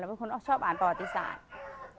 เราเป็นคนชอบอ่านประวัติศาสตร์